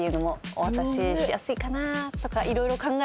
お渡ししやすいかなとか色々考えて。